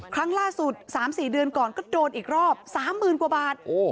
ครั้งล่าสุด๓๔เดือนก่อนก็โดนอีกรอบ๓๐๐๐กว่าบาท